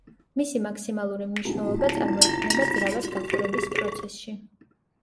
მისი მაქსიმალური მნიშვნელობა წარმოიქმნება ძრავას გახურების პროცესში.